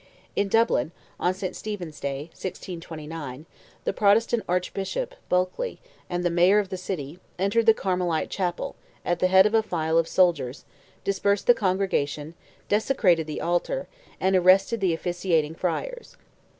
In Dublin, on Saint Stephen's Day, 1629, the Protestant Archbishop, Bulkley, and the Mayor of the city, entered the Carmelite Chapel, at the head of a file of soldiers, dispersed the congregation, desecrated the altar, and arrested the officiating friars.